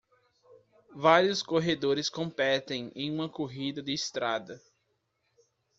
Vários corredores competem em uma corrida de estrada.